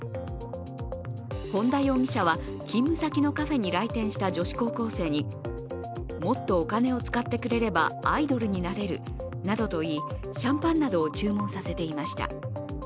本田容疑者は勤務先のカフェに来店した女子高校生にもっとお金を使ってくれればアイドルになれるなどと言いシャンパンなどを注文させていました。